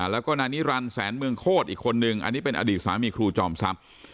แล้วก็นายนิรันดิแสนเมืองโคตรอีกคนนึงอันนี้เป็นอดีตสามีครูจอมทรัพย์